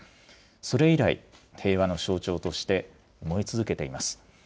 それ以来、平和の象徴として燃え続けています。